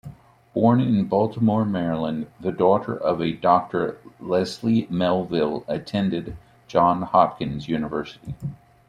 Born in Baltimore, Maryland, the daughter of a Doctor, Leslie-Melville attended Johns Hopkins University.